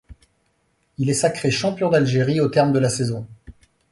Il est sacré champion d'Algérie au terme de la saison.